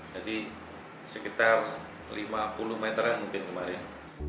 jadi sekitar lima puluh meteran mungkin kemarin